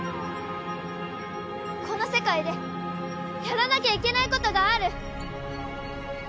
この世界でやらなきゃいけないことがある。